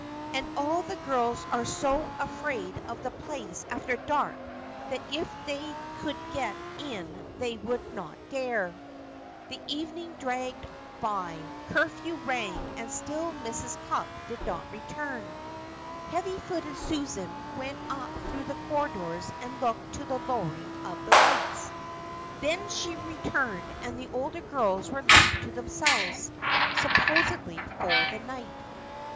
And all of the girls are so afraid of the place after dark that if they could get in they would not dare." The evening dragged by. Curfew rang and still Mrs. Cupp did not return. Heavy footed Susan went up through the corridors and looked to the lowering of the lights. Then she returned and the older girls were left to themselves supposedly for the night.